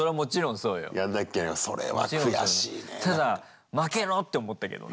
ただ負けろ！って思ったけどね。